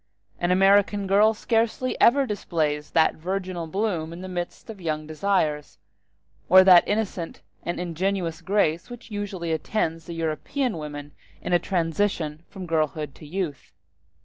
An American girl scarcely ever displays that virginal bloom in the midst of young desires, or that innocent and ingenuous grace which usually attends the European woman in the transition from girlhood to youth.